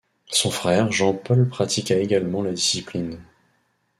Son frère Jean-Paul pratiqua également la discipline.